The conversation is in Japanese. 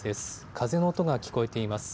風の音が聞こえています。